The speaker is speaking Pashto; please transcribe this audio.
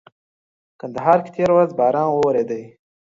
کندهار کي تيره ورځ باران ووريدلي.